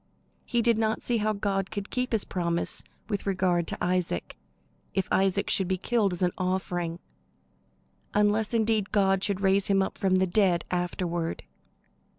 He did not see how God could keep his promise with regard to Isaac, if Isaac should be killed as an offering; unless indeed God should raise him up from the dead afterward.